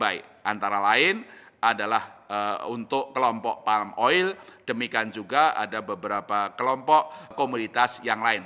antara lain adalah untuk kelompok palm oil demikian juga ada beberapa kelompok komunitas yang lain